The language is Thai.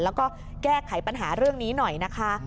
แล้วก็แก้ไขปัญหาเรื่องนี้หน่อยนะคะ